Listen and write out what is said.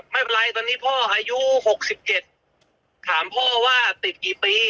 ไม่เป็นไรตอนนี้พ่ออายุ๖๗ถามพ่อว่าติดกี่ปี